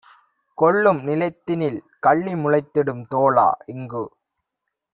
கொள்ளும் நிலத்தினில் கள்ளி முளைத்திடும் தோழா - இங்கு